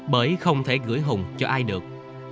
bởi không thể gửi hùng cho ai được